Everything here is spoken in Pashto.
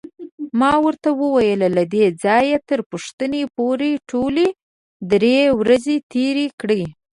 ما ورته وویل: له دې ځایه تر پوښتنې پورې ټولې درې ورځې تېرې کړې.